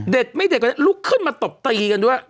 เด็ดไม่เด็ดกว่านั้นลุกขึ้นมาตบตีกันด้วย